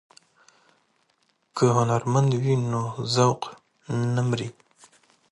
که هنرمند وي نو ذوق نه مري.